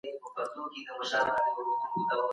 زه سبزي خورم.